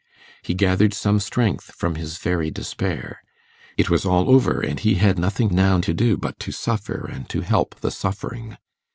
He gathered some strength from his very despair. It was all over, and he had nothing now to do but to suffer and to help the suffering.